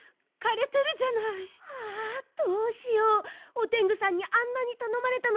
オテングさんにあんなにたのまれたのに。